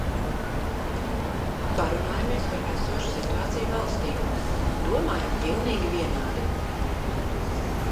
Parunājāmies par esošu situāciju valstī. Domājam pilnīgi vienādi.